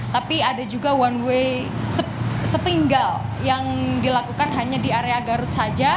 tapi ada juga one way setinggal yang dilakukan hanya di area garut saja